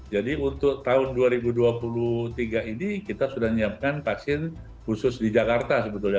jadi untuk tahun dua ribu dua puluh tiga ini kita sudah menyiapkan vaksin khusus di jakarta sebetulnya